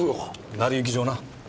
成り行き上な。